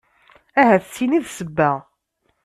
Ahat d tin i d ssebba.